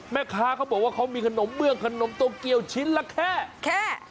แม่ค้าเขาบอกว่าเขามีขนมเบื้องขนมโตเกียวชิ้นละแค่แค่